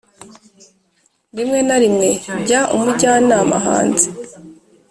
rimwe na rimwe jya umujyana hanze